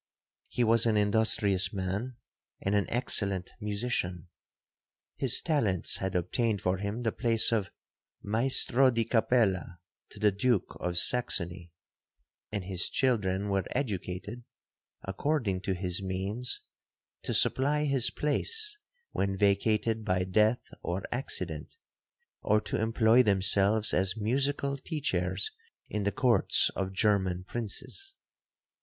He was an industrious man, and an excellent musician. His talents had obtained for him the place of Maestro di Capella to the Duke of Saxony; and his children were educated (according to his means) to supply his place when vacated by death or accident, or to employ themselves as musical teachers in the courts of German princes.